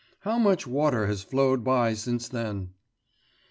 How much water has flowed by since then.